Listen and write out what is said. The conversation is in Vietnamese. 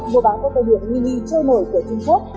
mua bán ô tô điện mini trôi nổi của trung quốc